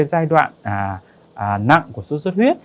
giai đoạn nặng của xuất xuất huyết